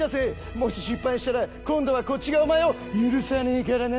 もし失敗したら今度はこっちがお前を許さねえからな。